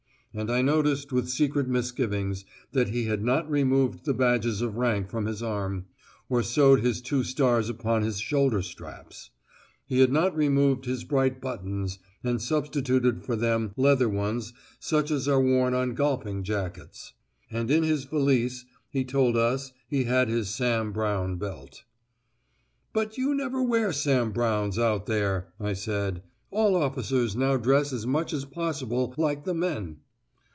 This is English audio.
And I noticed with secret misgivings that he had not removed the badges of rank from his arm, or sewed his two stars upon his shoulder straps; he had not removed his bright buttons, and substituted for them leather ones such as are worn on golfing jackets; and in his valise, he told us, he had his Sam Browne belt. "But you never wear Sam Brownes out there," I said: "all officers now dress as much as possible like the men."